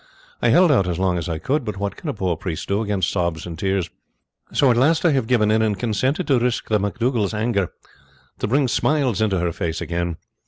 I held out as long as I could; but what can a poor priest do against sobs and tears? So at last I have given in and consented to risk the MacDougall's anger, to bring smiles into her face again.